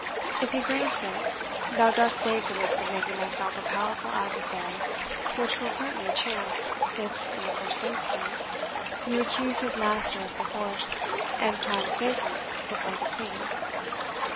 If he grants it, thou dost save the risk of making thyself a powerful adversary, which will certainly chance if, in the first instance, you accuse his master of the horse and prime favourite before the Queen."